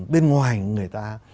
bên ngoài người ta